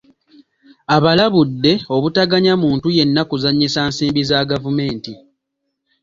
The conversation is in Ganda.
Abalabudde obutaganya muntu yenna kuzannyisa nsimbi za gavumenti.